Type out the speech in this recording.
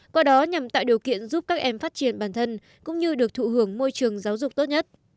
qua đó nhằm tạo điều kiện giúp các em phát triển bản thân cũng như được thụ hưởng môi trường giáo dục tốt nhất